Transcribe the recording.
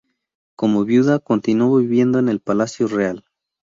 Como viuda, continuó viviendo en el palacio real.